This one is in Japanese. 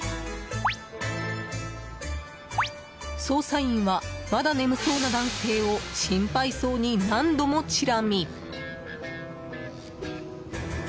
捜査員は、まだ眠そうな男性を心配そうに何度もチラ見。